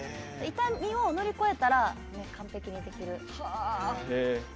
痛みを乗り越えたら完璧にできる。